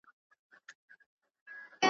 په دې عواملو کي یو هم نه وي ,